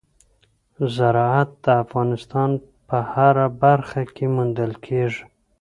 زراعت د افغانستان په هره برخه کې موندل کېږي.